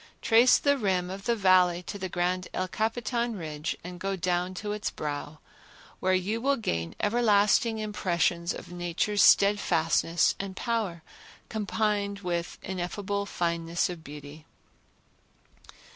trace the rim of the Valley to the grand El Capitan ridge and go down to its brow, where you will gain everlasting impressions of Nature's steadfastness and power combined with ineffable fineness of beauty.